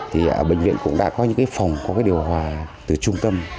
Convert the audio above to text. thì bệnh viện cũng đã có những phòng có điều hòa từ trung tâm